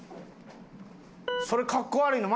それかっこ悪いな。